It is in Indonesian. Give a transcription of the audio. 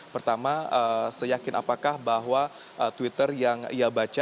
pertama seyakin apakah bahwa twitter yang ia baca